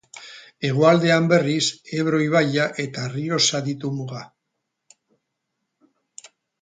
Hegoaldean, berriz, Ebro ibaia eta Errioxa ditu muga.